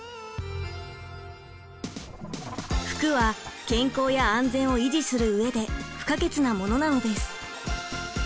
服は健康や安全を維持する上で不可欠なものなのです。